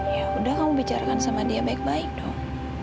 ya udah kamu bicarakan sama dia baik baik dong